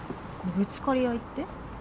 ぶつかり合いって？